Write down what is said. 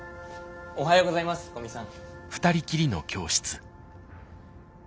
おはようございます古見さん。